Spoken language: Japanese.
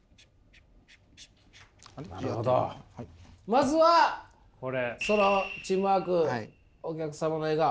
まずはそのチームワークお客様の笑顔。